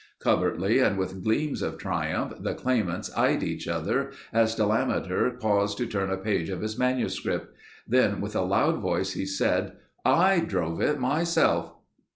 Covertly and with gleams of triumph, the claimants eyed each other as Delameter paused to turn a page of his manuscript. Then with a loud voice he said: "I drove it myself!"